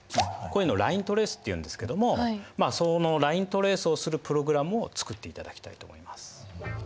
こういうのライントレースっていうんですけどもそのライントレースをするプログラムを作っていただきたいと思います。